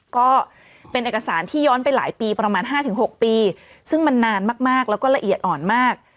ก็เป็นเอกสารที่ย้อนไปหลายปีประมาณ๕๖ปีซึ่งมันนานมากแล้วก็ละเอียดอ่อนมาก